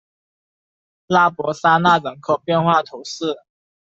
拉博桑讷人口变化图示